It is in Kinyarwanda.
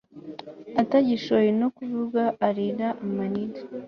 atagishoye no kuvuga arira amarira